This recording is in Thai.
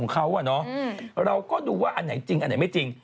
เราก็ดูว่าอันไหนจริงอันไหนไม่จริง